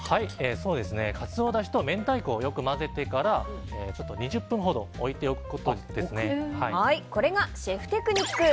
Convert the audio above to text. かつおだしと明太子をよく混ぜてからこれがシェフテクニック。